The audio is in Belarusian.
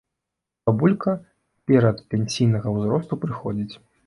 Бабулька перадпенсійнага ўзросту прыходзіць.